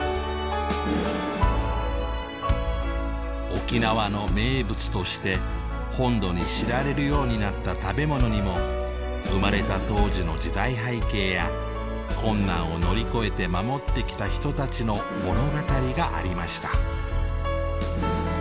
沖縄の名物として本土に知られるようになった食べ物にも生まれた当時の時代背景や困難を乗り越えて守ってきた人たちの物語がありました。